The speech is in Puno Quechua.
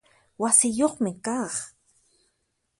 Wasiyuqpuni kaq